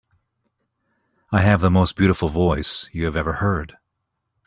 I have the most beautiful voice you have ever heard.